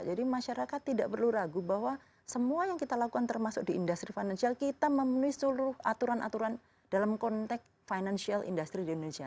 jadi masyarakat tidak perlu ragu bahwa semua yang kita lakukan termasuk di industri financial kita memenuhi seluruh aturan aturan dalam konteks financial industri di indonesia